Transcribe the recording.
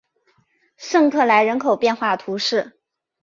圣克莱人口变化图示